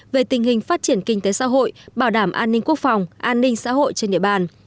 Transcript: về tình hình phát triển kinh tế xã hội bảo đảm an ninh quốc phòng an ninh xã hội trên địa bàn